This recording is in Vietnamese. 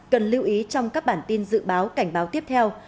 cần lưu ý trong các bản tin dự báo cảnh báo tiếp theo